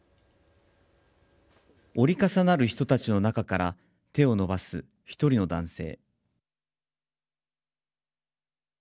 折り重なる人たちの中から手を伸ばす１人の男性。